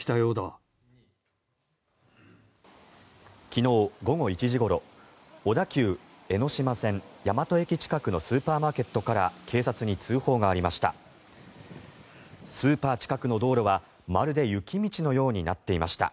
昨日午後１時ごろ小田急江ノ島線大和駅近くのスーパーマーケットから警察に通報がありました。